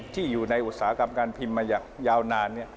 ที่อยู่ในอุตสาหกรรมการพิมพ์มาอย่างยาวนาน